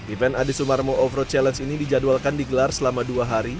event adi sumarmo off road challenge ini dijadwalkan digelar selama dua hari